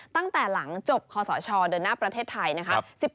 ตั้งแต่หลังจบคศเดินหน้าประเทศไทยนะคะ